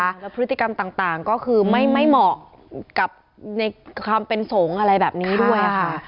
แล้วพฤติกรรมต่างก็คือไม่เหมาะกับในความเป็นสงฆ์อะไรแบบนี้ด้วยค่ะ